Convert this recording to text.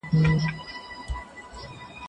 سياست پېچلې ټولنيزه هڅه ده.